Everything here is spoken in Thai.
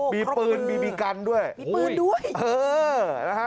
มีปืนมีมีกันด้วยมีปืนด้วยเออนะฮะ